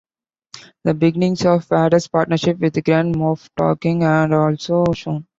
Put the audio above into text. The beginnings of Vader's partnership with Grand Moff Tarkin are also shown.